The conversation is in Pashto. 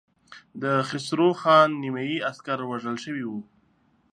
د خسرو خان نيمايي عسکر وژل شوي وو.